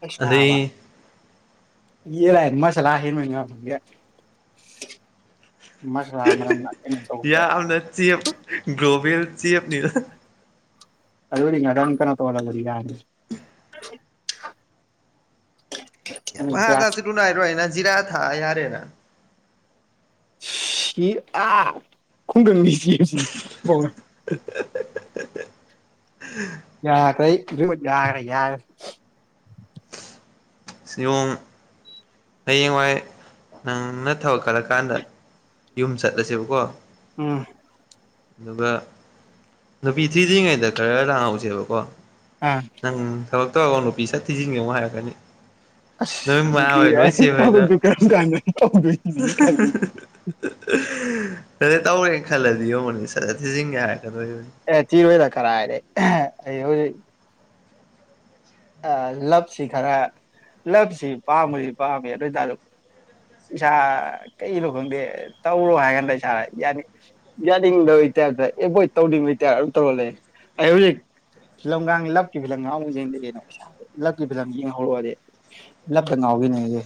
ꯀꯁꯅ ꯍꯥꯕ ꯑꯗꯩ ꯌꯦꯂ ꯍꯃꯁꯂ ꯍ ꯃꯅꯤꯪꯦ ꯃꯁ ꯇꯔꯦ ꯑꯗ ꯆꯕ ꯒ꯭ꯂꯣꯕꯦꯜꯁꯤꯅꯤ ꯑꯗꯨ ꯑꯣꯏ ꯔꯥꯎꯟ ꯀꯅꯥ ꯇꯣꯒ ꯒ꯭ꯌꯥꯁ ꯚꯥꯗꯞꯁꯨ ꯂꯨ ꯅꯥꯏꯔꯣꯏ ꯍꯥꯏꯅ ꯖꯤꯔꯥ ꯊꯥ ꯌꯥꯔꯦꯅ ꯁꯤ ꯑ ꯈꯣꯡꯒꯪꯅꯤ ꯁꯤ ꯑꯦꯟꯖꯤꯕꯧꯅ [inaudible] ꯌꯥꯈ꯭ꯔꯦ ꯌꯥꯈ꯭ꯔꯦ ꯌꯥꯈ꯭ꯔꯦ ꯁꯤꯣꯡ ꯍꯌꯦꯡꯋꯥꯏ ꯅꯪꯅ ꯊꯕꯛ ꯈꯠꯂꯛꯀꯥꯟꯗ ꯌꯨꯝ ꯆꯠꯂꯁꯦꯕꯀꯣ ꯎꯝ ꯑꯗꯨꯒ ꯅꯨꯄꯤ ꯊ꯭ꯤꯗ꯭ꯔꯤꯉꯩꯗ ꯈꯔ ꯂꯥꯡꯍꯧꯁꯦꯕꯀꯣ ꯑꯥ ꯅꯪ ꯊꯕꯛ ꯇꯧꯔꯒꯣ ꯅꯨꯄꯤ ꯁꯠ ꯊꯤꯖꯤꯟꯒꯧꯨ ꯍꯥꯏꯔꯛꯀꯅꯤ ꯑꯁ ꯅꯣꯏꯕ ꯅꯨꯄꯤ ꯍꯣꯏ ꯅꯣꯏꯆꯦ ꯍꯣꯏꯗ ꯊꯕꯛꯇꯨ ꯀꯔꯝ ꯀꯥꯟꯗ ꯇꯧꯗꯣꯏꯅꯤ ꯈꯜꯂꯤ ꯗ ꯇꯧꯔꯦꯅ ꯈꯜꯂꯗꯤ ꯌꯦꯡꯉꯅꯤ ꯁ ꯊꯤꯖꯤꯟꯒꯦ ꯍꯥꯏꯔꯛꯀꯗꯣꯔꯤꯕꯅꯤ ꯑꯦ ꯆꯤꯔꯣꯏꯗ ꯀꯔ ꯍꯥꯏꯔꯦ ꯑꯩ ꯍꯧꯖꯤꯛ ꯂꯞꯁꯤ ꯈꯔ ꯂꯞꯁꯤ ꯄꯥꯝꯃꯗꯤ ꯄꯥꯝꯃꯤ ꯑꯗꯨ ꯑꯣꯏꯇꯥ ꯏꯁꯥ ꯀꯩꯅꯣ ꯈꯪꯗꯦ ꯇꯧꯔꯣ ꯍꯥꯏꯀꯥꯟꯗ ꯏꯁꯥ ꯌꯥꯅꯤ ꯌꯥꯅꯤꯡꯗꯕꯩ ꯇꯥꯏꯞꯇ ꯑꯦꯚꯣꯏꯠ ꯇꯧꯅꯤꯡꯉꯩ ꯇꯥꯏꯞ ꯑꯗꯨꯝ ꯇꯧꯔ ꯂꯩ ꯑꯩ ꯍꯧꯖꯤꯛ ꯐꯤꯂꯝꯒꯥꯡ ꯂꯛꯀꯤ ꯐꯤꯂꯝꯒꯥꯡꯃꯨꯛ ꯌꯦꯡꯗ ꯀꯩꯅꯣ ꯄꯥ ꯂꯛꯀꯤ ꯐꯤꯂꯝ ꯌꯦꯡꯍꯧꯔꯛꯑꯣꯗꯤ ꯂ ꯂ ꯀ ꯉꯥꯎꯒꯤꯅꯦꯦ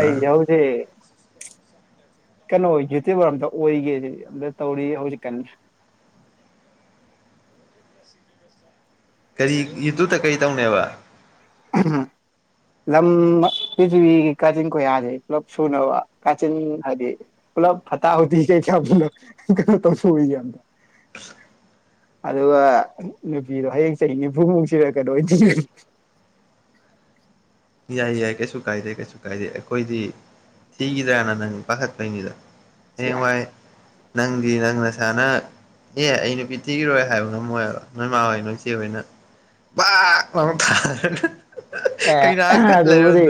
ꯑꯩ ꯌꯥꯎꯗꯦ ꯀꯩꯅꯣ ꯌꯨꯇꯌꯨꯕꯔ ꯑꯝꯇ ꯑꯣꯏꯒꯦꯁꯦ ꯑꯝꯇ ꯇꯧꯔꯤ ꯍꯧꯖꯤꯛꯀꯥꯟ ꯀꯔꯤ ꯌꯗꯨꯗ ꯀꯔꯤ ꯇꯧꯅꯦꯕ ꯍꯥ ꯂꯝ ꯄꯤꯔꯤꯊꯤꯕꯤꯒꯤ ꯀꯥꯆꯤꯟ ꯀꯣꯏꯌꯥꯁꯦ ꯄꯨꯂꯞ ꯁꯨꯅꯕ ꯀꯥꯆꯤꯟ ꯍꯥꯏꯗꯤ ꯄꯨꯂ ꯐꯠꯇꯇꯥ ꯍꯧ ꯀꯩ ꯈꯂꯣꯣ ꯇꯁꯨ ꯑꯣꯏꯗ ꯑꯗꯨꯒ ꯅꯨꯄꯤꯗꯣ ꯍꯌꯦꯡ ꯆꯍꯤ ꯅꯤꯐꯨꯃꯨꯛꯁꯤꯔ ꯀꯩꯅꯣ ꯑꯣꯏꯅ ꯌꯥꯏ ꯌꯥꯏ ꯀꯩꯁꯨ ꯀꯥꯏꯗꯦ ꯀꯩꯁꯨ ꯀꯥꯏꯗꯦ ꯑꯩꯈꯣꯏꯗꯤ ꯁꯤꯒꯗꯅ ꯅ ꯄꯉꯗ ꯌꯦ ꯋꯥꯏ ꯅꯪꯤ ꯅꯪꯅꯁꯅ ꯑꯦ ꯑꯩ ꯅꯨꯄꯤ ꯊꯤꯒꯤꯔꯣꯏ ꯍꯥꯏꯕ ꯉꯝꯃꯣꯏꯕ ꯅꯣꯏ ꯏꯃꯥ ꯍꯣꯏ ꯅꯣꯏꯆꯦ ꯍꯣꯏꯅ ꯂꯅ ꯊꯥꯅ ꯑꯦ ꯑꯗꯕꯨꯗꯤ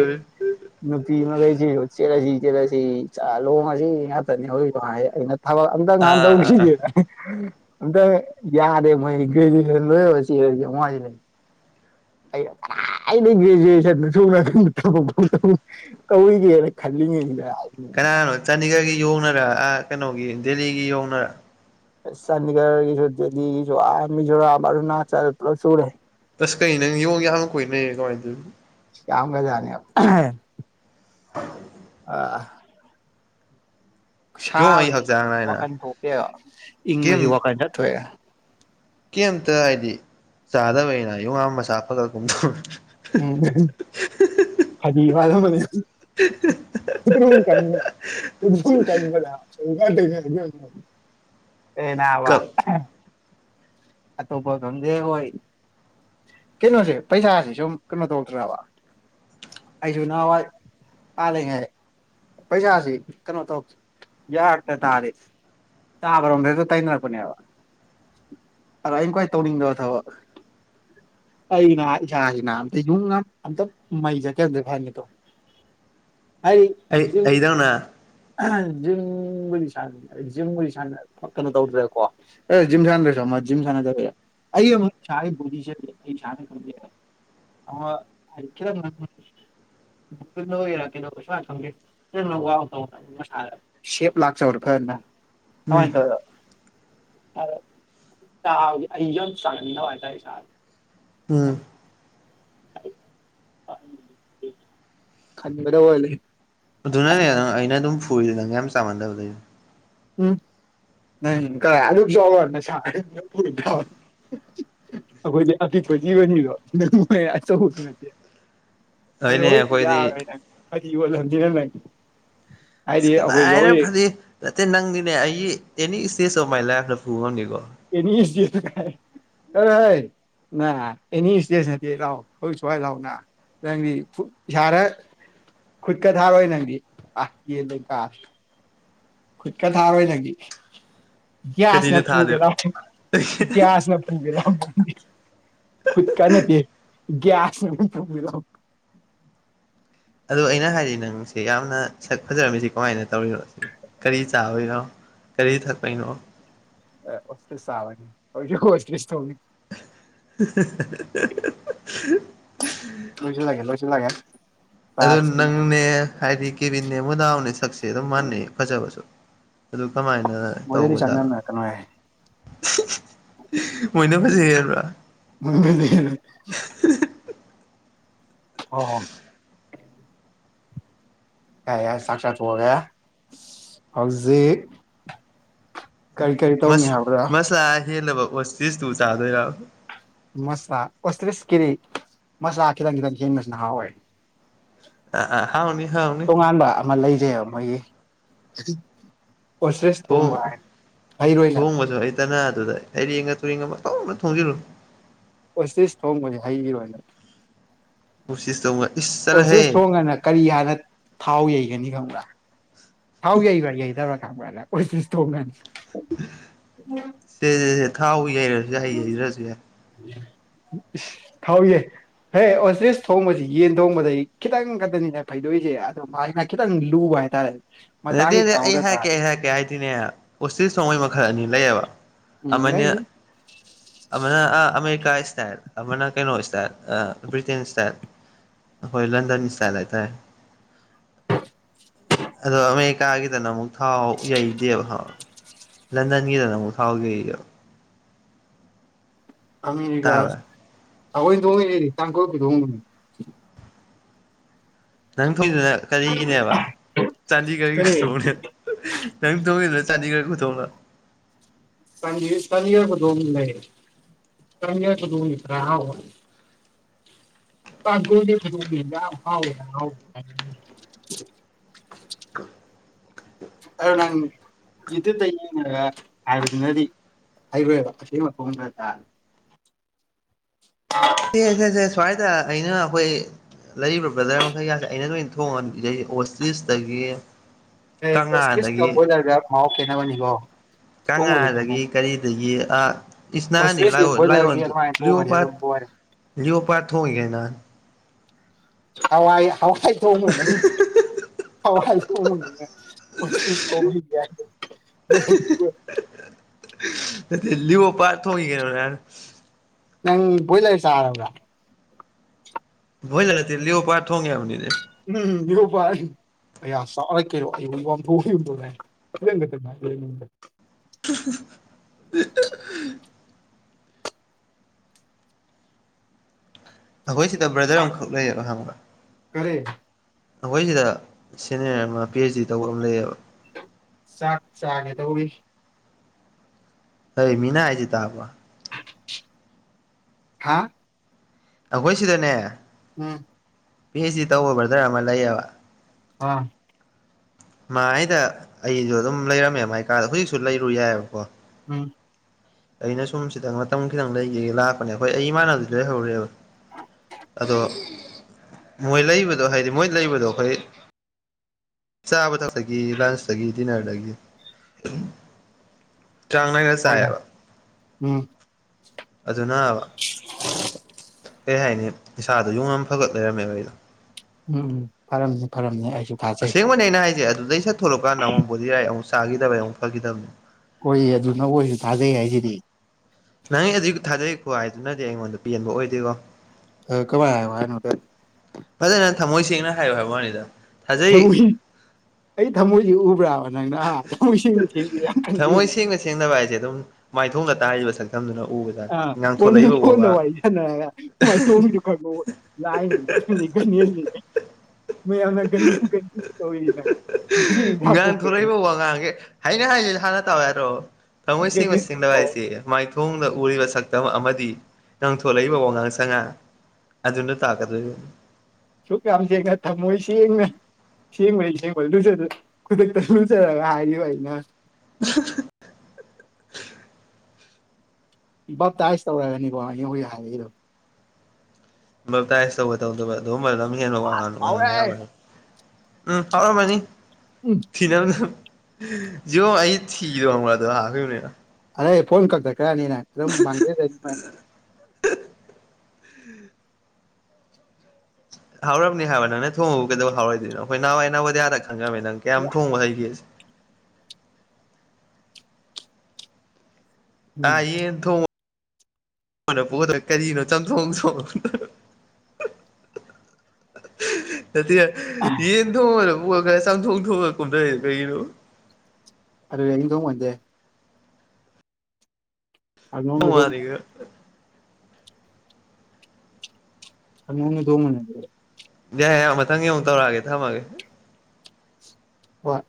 ꯅꯄꯤ ꯀꯩꯁꯤ ꯆꯦꯂꯁꯤ ꯆꯦꯂꯁꯤ ꯆꯥꯂꯁꯤ ꯊꯩꯅ ꯊꯕꯛ ꯑꯝꯇꯪ ꯉꯍꯥꯟ ꯑꯥ ꯑꯥ ꯑꯥ ꯇꯧꯁꯤꯒꯦ ꯑꯇ ꯌꯥꯗꯦ ꯃꯣꯏ ꯔꯤ ꯂ ꯁꯤꯦ ꯃ ꯑꯩꯗꯤ ꯒ꯭ꯔꯦꯖꯨꯑꯦꯁꯟꯗ ꯁ ꯀꯧꯏꯒꯦꯅ ꯈꯜꯂꯤꯉꯩꯅꯦ ꯀꯅꯥꯅꯣ ꯆꯥꯟꯗꯤꯒꯔꯒꯤ ꯌꯧꯅꯔꯥ ꯀꯩꯅꯣꯒꯤ ꯗꯦꯜꯂꯤꯒꯤ ꯌꯧꯅꯔꯥ ꯆꯥꯟꯅꯤꯒꯔꯁꯨꯁꯨꯁꯨꯔꯅꯅꯥ ꯆꯂ ꯆꯨꯔꯦ ꯇꯁ ꯀꯩ ꯅꯪ ꯌꯦꯉ ꯌꯥ ꯌꯥꯝꯅ ꯀꯨꯏꯅꯩ ꯀꯃꯥꯏꯅꯗꯣꯏꯅ ꯝ ꯀꯖꯅꯤ ꯎ ꯑꯥ ꯌꯣꯡ ꯑꯩ ꯁꯥꯕꯁꯤ ꯍꯛꯆꯥꯡ ꯅꯥꯏꯅ ꯋꯥꯈꯟ ꯊꯣꯛꯇꯦꯕ ꯏꯪꯕꯁꯤ ꯀꯩꯝ ꯋꯥꯈꯜ ꯆꯠꯊꯣꯛꯑꯦꯕ ꯀꯩꯝꯇ ꯍꯥꯏꯗꯤ ꯆꯥꯗꯕꯩꯅ ꯌꯨ ꯉ ꯃꯆꯥ ꯐꯒꯠꯀꯨꯝꯨꯝ ꯎꯝ ꯐꯗꯤ ꯐꯗ ꯃꯅꯤ ꯄꯨ ꯀꯟ ꯀꯟꯕꯗ ꯁꯥꯏ [inaudible] ꯑꯦꯅꯥ ꯋꯥ ꯀꯞ [inaudible] ꯑꯇꯣꯞꯄ ꯈꯪꯗꯦ ꯍꯣꯏ ꯀꯩꯅꯣꯁꯦ ꯄꯩꯁꯥꯥꯁꯦ ꯁꯨꯝ ꯀꯩꯅꯣ ꯇꯧꯛꯇ꯭ꯔꯕ ꯑꯩꯁꯨ ꯅꯍꯥꯟꯋꯥꯏ ꯄꯥꯜꯂꯤꯉꯩ ꯄꯩꯁꯥꯁꯤ ꯀꯩꯅꯣ ꯇꯧ ꯌꯥꯔꯛꯇ ꯇꯥꯔꯦ ꯇꯥꯕꯔꯣꯝꯗꯦ ꯇꯥꯏꯅꯔꯄꯅ ꯌꯥꯕ ꯑꯗꯣ ꯑꯩꯅ ꯀ꯭ꯋꯥꯏ ꯇꯧꯅꯤꯡꯗꯕ ꯊꯕꯛ ꯑꯩꯅ ꯏꯁꯥꯁꯤꯅ ꯌꯨꯝ ꯉ ꯑꯝꯇ ꯃꯩ ꯆꯠꯀꯗ ꯐꯅꯤ ꯇꯧꯕ ꯍꯥꯏ ꯑꯩ [inaudible] ꯑꯩꯗꯧꯅ ꯖꯤꯝꯕꯨꯗꯤ ꯁ ꯖꯤꯝꯕꯨꯗꯤ ꯀꯩꯅꯣ ꯇꯧꯗ꯭ꯔꯦꯀꯣ ꯑ ꯖꯤ ꯁꯥ ꯔꯦꯁꯣ ꯑ ꯖꯤ ꯁꯥꯖꯔ ꯑꯩ ꯁꯣ ꯈ [inaudible] ꯑꯔꯗ ꯊꯦ [inaudible] ꯅ ꯋꯥ ꯁꯦꯞ ꯂꯥꯛꯆꯧꯔꯣ ꯈꯔꯅ ꯎꯝ ꯀꯃꯥꯏꯅ ꯇꯧ [inaudible] ꯆ ꯑꯩ ꯌꯟ ꯆꯅꯤꯅ ꯋꯥꯇꯦ ꯆꯥ [inaudible] ꯎꯝ ꯈꯥꯟꯕꯗ ꯑꯣꯢꯕꯒꯤ ꯑꯗꯨꯅꯅꯦ ꯅꯪ ꯑꯩꯅ ꯑꯗꯨꯝ ꯐꯨꯔꯤꯗ ꯅꯪ ꯌꯥꯝ ꯆꯥꯃꯟꯗꯕꯒꯤ ꯎꯝ ꯅ ꯀꯥꯏ ꯑꯨꯕꯖ ꯃ ꯁ [inaudible] ꯑꯩꯈꯣꯏꯗꯤ ꯑꯄꯤꯛꯄ ꯖꯤꯕꯅꯤꯗꯣ ꯑꯆꯧꯕꯁꯨ ꯅꯠꯇꯦ ꯑꯗꯣ ꯍꯣꯏꯅꯦ ꯍꯣꯏꯗꯤ ꯑꯩꯈꯣꯏꯗꯤ ꯌꯥꯔꯣꯏ ꯅꯪ ꯐꯗꯤ ꯑꯣꯜꯂꯝꯁꯤꯅ ꯅꯪ [inaudible] ꯑꯁ ꯑꯩꯈꯣꯏꯁꯨ ꯀꯅꯥꯅ ꯍꯧꯖꯤꯛ ꯐꯗꯤ ꯅꯠꯇꯦ ꯅꯪꯗꯤꯅꯦ ꯑꯩꯒꯤ ꯑꯦꯅꯤ ꯏꯁꯇꯦꯖ ꯑꯣꯐ ꯃꯥꯏ ꯂꯥꯏꯐꯇ ꯄꯨꯕ ꯉꯝꯅꯤꯀꯣ ꯑꯦꯅꯤ ꯏ ꯀꯥꯏ ꯈꯔꯥꯏ [inaudible] ꯅ ꯑꯦꯅꯤ ꯏꯁꯇꯦꯖ ꯅ ꯂꯥꯎꯑꯣ ꯍꯣꯏ ꯁꯋꯥꯏ ꯂꯥꯎꯑꯣ ꯅꯪꯗꯤ ꯏꯁꯥꯔ ꯈꯨꯠꯀ ꯊꯥꯔꯣꯏ ꯅꯪꯗꯤ ꯑ ꯌꯦꯟꯗ ꯀꯥ ꯈꯨꯠꯀ ꯊꯥꯔꯣꯏꯗꯒꯤ ꯒ꯭ꯌꯥꯁꯅ ꯀꯔꯤꯅ ꯊꯥꯗꯣꯏꯕ ꯄꯨꯒꯦꯅ ꯒ꯭ꯌꯥꯁꯅ [inaudible] ꯔꯣ ꯍꯨꯠꯀ ꯅꯠꯇ ꯭ꯁ ꯊꯕꯤꯔ [inaudible] ꯑꯗꯣ ꯑꯩꯅ ꯍꯥꯏꯔꯤ ꯅꯪꯁꯦ ꯌꯥꯝꯅ ꯁꯛ ꯐꯖꯔꯝꯃꯤꯁꯤ ꯀꯃꯥꯏꯅ ꯇꯧꯔꯤꯅꯣ ꯁꯤ ꯀꯔꯤ ꯆꯥꯕꯅꯣ ꯀꯔꯤ ꯊꯛꯄꯅꯣ ꯑꯦꯁꯦ ꯁꯥꯕꯅꯤ ꯍꯧꯁꯁ ꯇꯧꯅꯤ [inaudible] [inaudible] [unintelligible] ꯂꯣꯏꯁꯤ ꯂꯒꯦ ꯂꯣꯏꯁꯤ ꯂꯒꯦ ꯑꯗꯨ ꯅꯪꯅꯦ ꯍꯥꯏꯗꯤ ꯀꯦꯕꯤꯅꯦ ꯃꯨꯗꯥꯎꯅꯦ ꯁꯛꯁꯦ ꯑꯗꯨꯝ ꯃꯅꯩ ꯐꯖꯕꯁꯨ ꯑꯗꯨ ꯀꯃꯥꯏꯅ ꯃꯣꯏꯒꯗꯤ ꯇꯧꯕꯖꯥꯠꯅꯣ ꯆꯥꯡꯗꯝꯅꯔꯛꯀꯅꯣꯍꯦ ꯃꯣꯏꯅ ꯐꯖꯩꯌꯦꯔꯕ꯭ꯔꯥ ꯎ [inaudible] ꯑꯣ ꯀ ꯌꯥ ꯁꯥꯠ ꯍꯒꯦ ꯍꯧꯥꯎꯖꯤ [inaudible] ꯁ ꯃꯁꯂꯥ ꯍꯦꯜꯂꯕ ꯑꯣꯇꯤꯁꯇꯨ ꯆꯥꯗꯣꯏꯔ ꯃꯁ ꯀꯁꯂꯤꯁ ꯀꯔꯤ ꯃꯁꯥ ꯀꯈꯤꯗꯪ ꯀꯪ ꯃꯁ ꯍꯋꯥ [inaudible] ꯑ ꯍꯥꯎꯅꯤ ꯍꯥꯎꯅꯤ ꯇꯣꯉꯥꯟꯕ ꯑꯃ ꯂꯩꯁꯦꯕ ꯃꯣꯏꯒꯤ ꯑꯣꯁ꯭ꯔꯦꯁ ꯊꯣꯡꯕ ꯍꯥꯏ ꯍꯩꯔꯣꯏ ꯅꯪ ꯇꯅꯥ ꯑꯗꯨꯗ ꯑꯩꯔꯦꯡꯉ ꯇꯨꯔꯦꯡꯉ ꯀꯧꯅ ꯊꯣꯡꯖꯤꯂꯨ ꯑꯣꯁꯤꯤꯁ ꯊꯣꯡꯕꯁ ꯍꯩꯔꯣꯏꯅ ꯎꯁꯤꯁ ꯇꯧꯒ ꯏꯁ ꯑꯣꯁꯤꯤꯁ ꯆꯠꯂꯍꯦ ꯊꯣꯡꯉꯅ [inaudible] ꯀꯔꯤ ꯍꯥꯟꯅ ꯊꯥꯎ ꯌꯩꯒꯅꯤ ꯈꯪꯕ꯭ꯔꯥ ꯊꯥꯎ ꯌꯩꯕ꯭ꯔꯥ ꯌꯩꯗꯕ꯭ꯔꯥ ꯈꯪꯕ꯭ꯔꯥꯅ ꯆꯁ ꯇꯅꯤ [inaudible] ꯁꯦ ꯊꯥꯎ ꯌꯩꯔꯁꯨ ꯌꯩꯗꯔꯁꯨ ꯌꯥꯥꯢ ꯊꯥꯎꯌꯩ ꯍꯦ ꯑꯣꯁꯇ꯭ꯔꯤꯁ ꯊꯣꯡꯕꯁꯤ ꯌꯦꯟ ꯊꯣꯡꯕꯗꯒꯤ ꯈꯤꯇꯪ ꯈꯛꯇꯅꯤꯅꯦ ꯐꯩꯗꯣꯛꯏꯁꯦ ꯃꯥꯏꯅꯈꯤꯗꯪ ꯂꯨꯕ ꯍꯥꯏꯇꯥꯥꯔꯦ ꯅꯠꯇꯦ ꯑꯩ ꯍꯥꯏꯔꯛꯀꯦ ꯑꯩ ꯍꯥꯏꯔꯛꯀꯦ ꯍꯥꯏꯗꯤꯅꯦ ꯑꯣꯣꯇꯤꯜ ꯁꯣꯡꯉꯩ ꯃꯈꯜ ꯑꯅꯤ ꯂꯩꯌꯦꯕ ꯎꯝ ꯂꯩ ꯑꯅ ꯑ ꯑꯃꯦꯔꯤꯀꯥ ꯏꯁꯇ ꯑꯅ ꯀꯩꯅꯣ ꯏꯁꯇ ꯑ ꯭ꯔꯤꯇꯦꯦꯟ ꯏꯁꯇꯥꯏ ꯍꯣꯏ ꯂꯗ ꯃꯤꯁ ꯆꯥꯏꯗꯥꯏ ꯇꯦ ꯑꯗ ꯑꯃꯦꯀ ꯍꯥꯏꯒꯗ ꯅ ꯑꯃꯛ ꯊꯥꯎ ꯌꯩꯗꯦꯕ ꯊꯥꯎ ꯂꯟꯗꯟꯒꯤꯗꯅ ꯑꯃꯨꯛ ꯊꯥꯎ ꯌꯩꯌꯦꯕ ꯑꯒ ꯇꯥꯕ꯭ꯔꯥ ꯑꯈꯣꯏ ꯇꯉ ꯆꯥꯡꯀꯄꯤꯤꯗ ꯅꯪ ꯊꯣꯏꯗꯅ ꯀꯔꯤꯒꯤꯅꯦꯕ ꯆꯥꯟꯗꯤ ꯀꯔꯤ ꯀꯊꯣꯛꯅꯦ ꯅꯪ ꯇꯣꯡꯉꯤꯗꯅ ꯆꯥꯅꯤ ꯈꯔ ꯀꯊꯣꯡꯕ ꯁ ꯁꯅꯤꯕꯨꯗꯣ ꯃ ꯂꯩꯦ ꯀꯝꯗ꯭ꯔꯥ ꯍꯥꯎ ꯄꯒꯣꯗꯤ ꯑꯣ ꯅꯪ ꯌꯇꯠꯇ ꯌꯦꯡꯉꯒ ꯍꯥꯏꯕꯗꯨꯅꯗꯤ ꯍꯈ꯭ꯔꯣꯏꯕ ꯑꯁꯤ ꯃꯐꯝꯗ ꯇꯥ ꯁꯦ ꯁꯦ ꯁꯦ ꯁ꯭ꯋꯥꯏꯗ ꯑꯩꯅ ꯑꯩꯈꯣꯏ ꯂꯩꯔꯤꯕ ꯕ꯭ꯔꯗꯔ ꯃꯈꯈꯩ ꯌꯥꯁꯦ ꯑꯩꯅ ꯂꯣꯏꯅ ꯊꯣꯡꯉ ꯏꯗꯩ ꯑꯣꯁꯇꯤꯁꯇꯒꯤ ꯁ ꯀꯣꯔ ꯍꯥꯎ ꯀꯩꯅꯕꯅꯤꯕꯣ ꯀꯪꯂꯥꯗꯒꯤ ꯀꯔꯤꯗꯒꯤ ꯑꯣꯁꯇ꯭ꯔꯤꯁꯇꯤ ꯏꯅꯥꯅꯤꯑꯣ ꯕꯣꯏꯂꯔꯒꯤ ꯂꯥꯏꯑꯣꯣꯟꯗꯨ ꯑꯗꯨꯃꯥꯏꯅ ꯂꯨꯌꯣ ꯊꯣꯡꯉꯗꯤ ꯄꯠ ꯑꯗꯨꯝ ꯂꯣꯏꯔꯦ ꯂꯑꯣ ꯄꯔꯊꯣꯡꯒꯦꯅꯥ ꯍꯋꯥꯏ ꯍꯋꯥꯏ ꯊ ꯍꯋꯥꯏ ꯊꯅ ꯁ ꯁꯣ ꯂꯤꯑꯣꯣ ꯄꯥꯔ ꯊꯣꯡꯉꯒꯅꯣ ꯅꯅ ꯅꯪ ꯣꯏꯂꯔꯁꯥꯔꯕ꯭ꯔ ꯣꯏꯖꯂꯦꯜꯂꯤꯑꯣ ꯄꯔ ꯊꯣꯡꯦ ꯑꯃꯅꯤꯅꯤꯅꯦ ꯎꯝ ꯔꯣꯄꯥꯏ ꯑ ꯆꯥꯔ ꯀꯦꯔꯣ ꯑꯩ [unintelligible] ꯑꯩꯈꯣꯏ ꯁꯤꯗ ꯕ꯭ꯔꯗꯔ ꯑꯃꯈꯛ ꯂꯩꯌꯦꯕꯣ ꯍꯪꯕ ꯇꯔꯦ ꯑꯩꯈꯣꯏ ꯁꯤꯗ ꯁꯦꯅꯤꯌꯔ ꯑꯃ ꯄꯤ ꯑꯩꯆ ꯗꯤ ꯇꯧꯕ ꯑꯃ ꯂꯩꯌꯦꯕ ꯆꯥꯛ ꯆꯥꯒꯦ ꯇꯧꯧꯕꯤ ꯍꯣꯏ ꯃꯤꯅ ꯍꯥꯏꯁꯤꯦ ꯇꯥꯕ ꯍꯥꯥ ꯑꯩꯈꯣꯏ ꯁꯤꯗꯅꯦ ꯎꯝ ꯄꯤꯆ ꯁꯤ ꯇꯧꯕ ꯕ꯭ꯔꯗꯔ ꯑꯃ ꯂꯩꯌꯦꯕ ꯑ ꯃꯥꯗ ꯑꯩꯁꯨ ꯑꯗꯨꯝ ꯂꯩꯔꯝꯃꯦ ꯃꯥꯏꯀꯥꯗ ꯍꯧꯖꯤꯛꯁꯨ ꯂꯩꯔꯨ ꯌꯥꯏꯑꯕꯀꯣ ꯎꯝ ꯑꯩꯅ ꯁꯨꯝ ꯁꯤꯗꯪ ꯃꯇꯝ ꯈꯤꯇꯪ ꯂꯩꯒꯦꯒ ꯂꯥꯛꯄꯅꯦ ꯍꯣꯏ ꯑꯩ ꯏꯥꯟꯅꯕꯗꯤ ꯂꯩꯍꯧꯔꯦꯕ ꯑꯗꯣ ꯃꯣꯏ ꯂꯩꯕꯗꯣ ꯍꯥꯏꯗꯤ ꯃꯣꯏ ꯂꯩꯕꯗꯣ ꯑꯩꯈꯣꯏ ꯆꯥꯕ ꯊꯥꯛꯇꯒꯤ ꯂꯟꯁꯇꯒꯤ ꯗꯤꯅꯔꯗꯒꯤ ꯆꯥꯡ ꯅꯥꯒ ꯍꯣꯏꯅꯦ ꯆꯥꯏꯌꯦꯑꯕ ꯎꯝ ꯑꯗꯨꯅ ꯀꯩ ꯍꯥꯏꯅꯤ ꯅꯤꯥꯗꯣ ꯌꯨꯝ ꯑꯃ ꯐꯒꯠ ꯂꯩꯔꯝꯃꯦꯕ ꯑꯩꯗꯣ ꯎꯝ ꯎꯝ ꯐꯔꯝꯅꯤ ꯐꯔꯝꯅꯤ ꯑꯩꯁꯨ ꯊꯥꯖꯩ ꯑꯁꯦꯡꯕꯅꯦ ꯑꯩꯅ ꯍꯥꯏꯁꯦ ꯑꯗꯨꯗꯩ ꯁꯠ ꯊꯣꯛꯂꯛꯀꯥꯟꯗ ꯑꯃꯨꯛ ꯕꯣꯗꯤ ꯔꯥꯏꯠ ꯑꯃꯨꯛ ꯆꯥꯈꯤꯗꯕꯩ ꯑꯃꯨꯛ ꯐꯈꯤꯗꯕꯅꯤ ꯍꯣꯏꯌꯦ ꯑꯗꯨ ꯅ ꯑꯩ ꯑꯣꯏꯁꯨ ꯊꯥꯖꯩ ꯍꯥꯏꯁꯤꯗꯤ ꯅꯪ ꯑꯗꯨ ꯊꯥꯗꯩꯀꯣ ꯍꯥꯏꯗꯨꯅꯗꯤ ꯑꯩꯉꯣꯟꯗ ꯄꯦꯟꯕ ꯑꯣꯏꯗꯣꯏꯀꯣ ꯀꯋꯥ ꯍꯥꯏ ꯍꯥꯏ ꯅꯣꯇ ꯐꯖꯅ ꯊꯝꯃꯣꯏ ꯁꯦꯡꯅ ꯍꯥꯏꯌꯨ ꯍꯥꯏꯕ ꯋꯥꯅꯤꯗ ꯊꯥꯖꯩ ꯊꯃꯣꯏ ꯑꯩ ꯊꯃꯣꯏꯁꯤ ꯎꯕ꯭ꯔꯥꯕ ꯅꯪꯅ ꯊꯃꯣꯏꯁꯤꯦꯡꯕꯨ ꯊꯦꯡꯁꯦ ꯌꯥꯝ ꯊꯃꯣꯏ ꯈꯪꯗꯈꯤꯕꯅꯦ ꯁꯦꯡꯅ ꯁꯦꯡꯅꯕ ꯍꯥꯏꯁꯦ ꯑꯗꯨꯝ ꯃꯥꯏꯊꯣꯡꯅ ꯇꯥꯔꯤꯕ ꯁꯛꯇꯝꯗꯨꯅ ꯎꯕꯅꯤ ꯑꯥ ꯑꯣꯟꯅ ꯀꯣꯟꯅ ꯋꯥꯔꯤ ꯁꯥꯟꯅꯔꯒ ꯃ ꯁꯣꯝꯁꯨ ꯈꯔ ꯂꯥꯏ ꯅꯤ ꯃꯌꯥꯝꯅ ꯀꯅꯤ ꯑꯩ ꯉꯥꯟꯊꯣꯔꯛꯏꯕ ꯋꯥ ꯉꯥꯡꯒꯦ ꯍꯥꯏꯅꯦ ꯍꯥꯏꯌꯦ ꯍꯥꯟꯅ ꯇꯧꯋꯦꯔꯣ ꯇꯥꯃꯣ ꯁꯤ ꯒꯅꯦꯁꯀꯤ ꯃꯁꯤꯡꯗ ꯄꯥꯎ ꯍꯥꯏꯁꯤꯦ ꯃꯥꯏꯊꯣꯡꯗ ꯎꯔꯤꯕ ꯁꯛꯇꯝ ꯑꯃꯗꯤ ꯉꯪꯊꯣꯂꯛꯏꯕ ꯋꯥꯉꯥꯡ ꯁꯉꯥ ꯑꯗꯨ ꯇꯥꯀꯗ ꯁꯨ ꯀꯥ ꯆ ꯉ ꯊꯝꯃꯣꯏꯁꯤ ꯌꯦꯅ ꯁꯦꯡꯕꯩ ꯁꯦꯡꯕ ꯂꯨ ꯈꯨꯗꯛꯇ ꯂꯨꯖꯔꯒ ꯍꯥꯏꯌꯨ ꯑꯩꯅ ꯎ ꯕꯥꯦꯞꯇꯥꯏꯁ ꯇꯧꯔꯛꯒꯅꯤꯀꯣ ꯑꯩ ꯍꯧꯈꯣꯏ ꯍꯥꯏꯔꯒꯤꯗꯣ ꯞꯇꯥꯏꯁ ꯇꯧꯕ ꯇꯧꯗꯕ ꯑꯗꯨꯒꯨꯝꯕꯗ ꯑꯗꯨꯝ ꯍꯦꯟꯕ ꯍꯥꯎꯔꯦ ꯋꯥꯌꯥꯝ ꯎꯝ ꯐꯥꯎꯔꯣꯕꯅꯤ ꯎꯝ ꯊꯤꯅꯕ ꯌꯦꯣ ꯑꯩ ꯊꯤꯗꯣꯕ꯭ꯔꯗꯣ ꯍꯥꯞ꯭ꯈꯤꯕꯅꯤꯅ ꯑꯗꯩ ꯐꯣꯟꯝ ꯈꯛꯇ ꯈꯔꯅꯤꯅ ꯑꯗꯨꯝ ꯃꯥꯡꯖꯖꯅꯤꯃꯥꯏꯅ ꯍꯥꯎꯔꯕꯅꯤ ꯍꯥꯏꯕ ꯅꯪꯅ ꯊꯣꯡꯉꯨꯕꯨ ꯀꯩꯗꯧꯥꯎꯔꯣꯏꯅꯣꯈꯣꯏ ꯅꯍꯥꯟꯋꯥꯏꯅꯥꯎꯕꯗꯤꯌꯥꯗ ꯈꯪꯉꯕꯃꯦ ꯅꯪ ꯀꯌꯥꯝ ꯊꯣꯡꯕ ꯍꯩꯒꯦꯁꯦ ꯎꯝ ꯑꯏꯌꯦ ꯊꯣꯡ ꯍꯅ ꯄꯣꯗ ꯀꯔꯤꯅꯣ ꯆꯝꯊꯣꯡ ꯆꯣꯡ [unintelligible] ꯅꯠꯇꯦ ꯌꯦꯟ ꯊꯣꯡꯉꯒ ꯄꯨꯔꯒ ꯈꯔ ꯆꯝꯊꯣꯡ ꯊꯣꯡꯉꯒ ꯀꯨꯝꯊꯔ ꯀꯩꯒꯤꯅꯣ ꯑꯗꯨꯔꯗꯣꯡꯉꯗꯦ ꯑꯗꯣꯅ ꯑꯗꯨꯣ ꯅꯣꯡꯉꯥꯜꯂꯤꯒ ꯍ ꯃꯅꯤꯣꯡꯣ ꯃꯦ ꯌꯥꯏꯦꯥꯛ ꯃꯊꯪ ꯑꯃꯨꯛꯧꯛꯑꯦ ꯊꯝꯃꯒꯦ ꯍꯣꯏ